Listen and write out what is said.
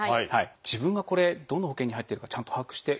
自分がこれどの保険に入ってるかちゃんと把握していますか？